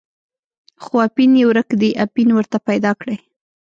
خو اپین یې ورک دی، اپین ورته پیدا کړئ.